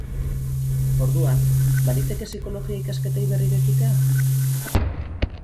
Orduan, baliteke psikologia ikasketei berriro ekitea?